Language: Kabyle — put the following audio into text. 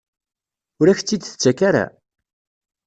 Ur ak-tt-id-tettak ara?